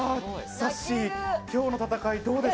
さっしー、今日の戦いどうです？